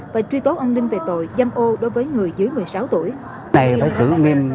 và truy tốt ông linh về tội giam ô đối với người dưới một mươi sáu tuổi